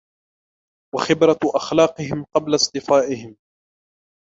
وَخِبْرَةُ أَخْلَاقِهِمْ قَبْلَ اصْطِفَائِهِمْ